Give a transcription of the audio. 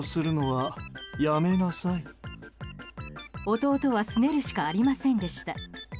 弟は、すねるしかありませんでした。